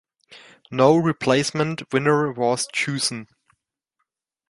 No replacement winner was chosen.